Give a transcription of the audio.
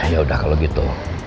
yaudah kalau gitu